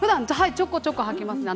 ちょこちょこはきますね。